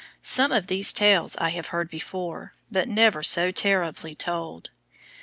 Some of these tales I have heard before, but never so terribly told.